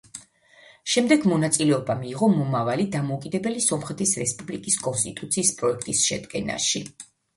შემდეგ მონაწილეობა მიიღო მომავალი, დამოუკიდებელი სომხეთის რესპუბლიკის კონსტიტუციის პროექტის შედგენაში.